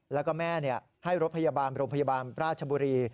แล้วก็แม่ให้รถพยาบาลโรงพยาบาลราชบุรี